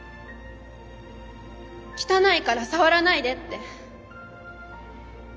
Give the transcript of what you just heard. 「汚いから触らないで」って。